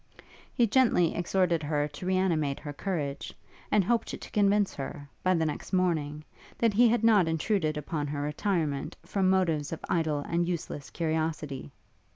He gently exhorted her to re animate her courage, and hoped to convince her, by the next morning, that he had not intruded upon her retirement from motives of idle and useless curiosity.